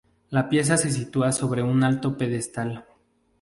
La pieza se sitúa sobre un alto pedestal.